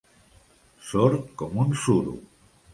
Sord com un suro.